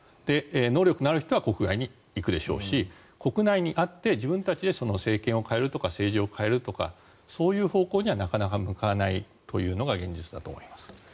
能力のある人は国外に行くでしょうし国内にあって自分たちで政権を変えるとか政治を変えるとかそういう方向にはなかなか向かないというのが現実だと思います。